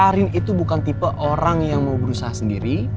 karin itu bukan tipe orang yang mau berusaha sendiri